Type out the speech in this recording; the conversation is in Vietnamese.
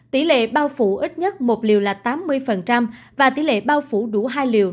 tỷ lệ bao phủ ít nhất một liều là tám mươi và tỷ lệ bao phủ đủ hai liều